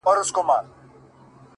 هغه زما زړه ته د کلو راهيسې لار کړې ده-